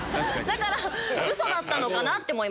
だからウソだったのかなって思いました。